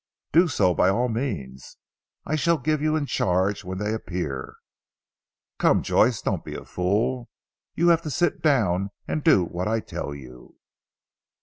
"Do so by all means. I shall give you in charge when they appear. Come Joyce, don't be a fool! You have to sit down and do what I tell you."